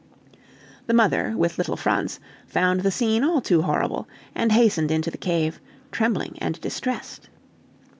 The mother, with little Franz, found the scene all too horrible, and hastened into the cave, trembling and distressed.